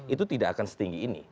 itu tidak akan setinggi ini